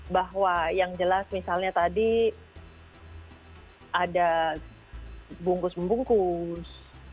bahwa yang jelas misalnya tadi ada bungkus membungkus